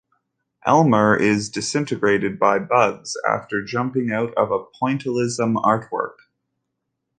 Elmer is disintegrated by Bugs after jumping out of a pointillism artwork.